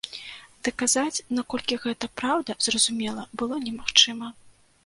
Даказаць, наколькі гэта праўда, зразумела, было немагчыма.